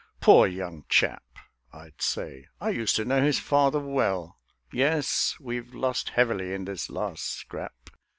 "Poor young chap," I'd say "I used to know his father well; Yes, we've lost heavily in this last scrap."